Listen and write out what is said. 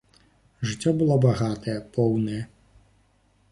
Жыццё было багатае, поўнае.